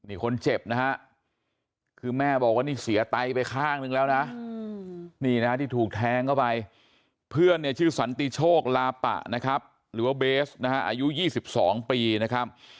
นี่คนเจ็บนะฮะคือแม่บอกว่านี่เสียไตไปข้างนึงแล้วนะนี่นะที่ถูกแทงเข้าไปเพื่อนเนี่ยชื่อสันติโชคลาปะนะครับหรือว่าเบสนะฮะอายุ๒๒ปีนะครับ